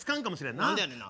何でやねんな。